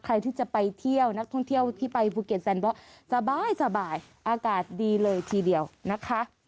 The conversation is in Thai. ใครที่จะไปเที่ยวนักท่องเที่ยวที่ไปภูเก็ตแซนบล็อกสบายอากาศดีเลยทีเดียวนะคะ